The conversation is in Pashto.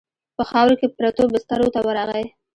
په خاورو کې پرتو بسترو ته ورغی.